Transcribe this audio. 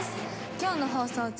今日の放送中